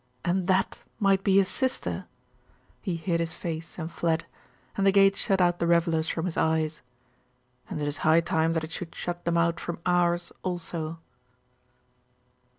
And that might be his sister! He hid his face and fled, and the gate shut out the revellers from his eyes; and it is high time that it should shut them out from ours also.